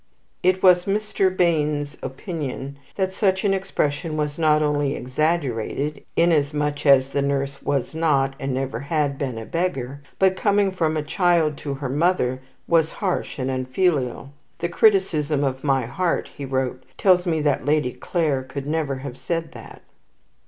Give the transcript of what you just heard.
It was Mr. Bayne's opinion that such an expression was not only exaggerated, inasmuch as the nurse was not, and never had been, a beggar; but, coming from a child to her mother, was harsh and unfilial. "The criticism of my heart," he wrote, "tells me that Lady Clare could never have said that."